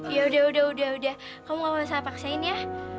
yaudah udah kamu gak usah paksain ya